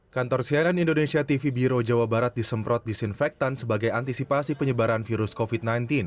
kantor cnn indonesia tv biro jawa barat disemprot disinfektan sebagai antisipasi penyebaran virus covid sembilan belas